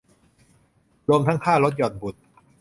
รวมทั้งค่าลดหย่อนบุตร